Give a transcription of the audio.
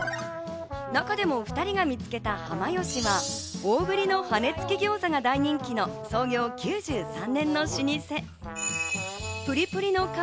中でも２人が見つけた濱よしは大振りの羽根付きギョーザが大人気の創業９３年の老舗。